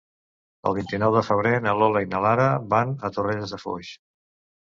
El vint-i-nou de febrer na Lola i na Lara van a Torrelles de Foix.